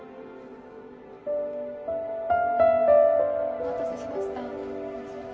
お待たせしました。